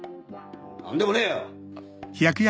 何でもねえよ！